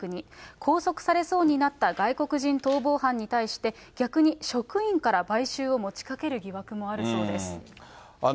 拘束されそうになった外国人逃亡犯に対して、逆に職員から買収を持ちかける疑惑もあるそうです。